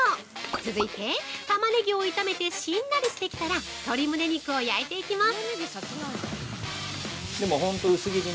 続いて、玉ねぎを炒めてしんなりしてきたら鶏むね肉を焼いていきます！